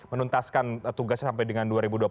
menuntaskan tugasnya sampai dengan dua ribu dua puluh